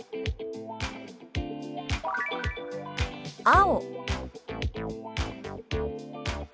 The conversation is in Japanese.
「青」。